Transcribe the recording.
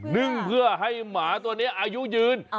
นึ่งเพื่อให้หมาตัวนี้อายุยืน